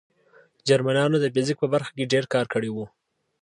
جرمنانو د فزیک په برخه کې ډېر کار کړی و